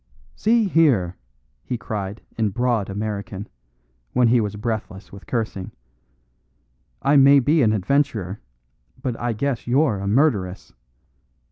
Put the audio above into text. "See here!" he cried in broad American, when he was breathless with cursing, "I may be an adventurer, but I guess you're a murderess.